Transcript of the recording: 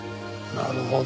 なるほど。